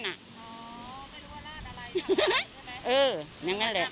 อ๋อไม่รู้ว่าราดอะไรทำอะไรใช่ไหมเอออย่างนั้นแหละ